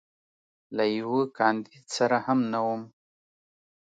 له یوه کاندید سره هم نه وم.